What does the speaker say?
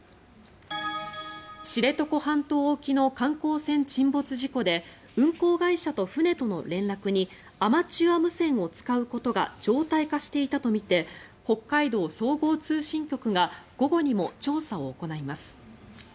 知床半島沖の観光船沈没事故で運航会社と船との連絡にアマチュア無線を使うことが常態化していたとみて北海道総合通信局が午後にも調査を行います。